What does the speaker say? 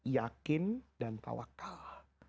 yakin dan tawakal